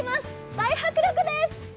大迫力です。